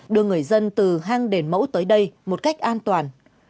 đưa người dân từ hang đền mẫu tới đây một cách an toàn